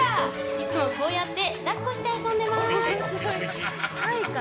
いつもこうやって抱っこして遊んでます。